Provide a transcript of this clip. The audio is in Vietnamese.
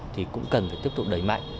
thì cũng cần phải tiếp tục đẩy mạnh